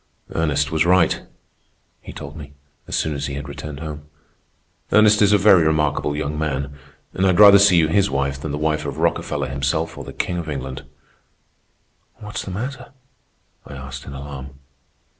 "Ernest was right," he told me, as soon as he had returned home. "Ernest is a very remarkable young man, and I'd rather see you his wife than the wife of Rockefeller himself or the King of England." "What's the matter?" I asked in alarm.